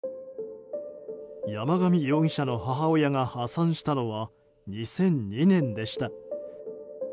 山上容疑者の母親が破産したのは２００２年でした。